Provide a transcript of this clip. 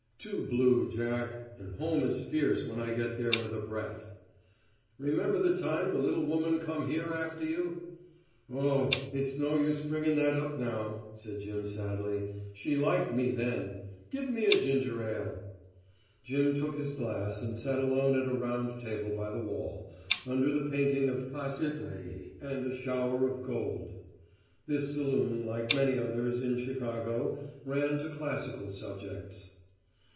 "Too blue, Jack, and home is fierce when I get there with a breath." "Remember the time the little woman come here after you?" "Oh, it's no use bringing that up now," said Jim sadly. "She liked me then. Give me a ginger ale." Jim took his glass and sat alone at a round table by the wall, under the painting of Pasiphae and The Shower of Gold. This saloon, like many others, in Chicago, ran to classical subjects.